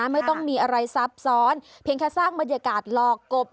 ไม่ต้องมีอะไรซับซ้อนเพียงแค่สร้างบรรยากาศหลอกกบ